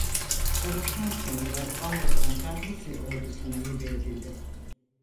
Savaştan sonra bazı tanklar Mısır Ordusu'na hibe edildi.